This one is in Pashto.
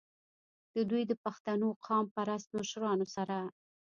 د دوي د پښتنو قام پرست مشرانو سره